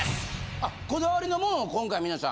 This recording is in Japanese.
あっこだわりのものを今回皆さん。